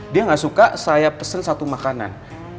dia nggak suka pada saya pesen satu makanan